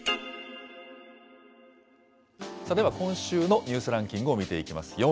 では、今週のニュースランキングを見ていきます。